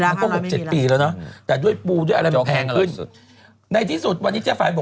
แล้วแต่ด้วยปูด้วยไรมันแพงขึ้นในที่สุดวันนี้เจฟัยบอกว่า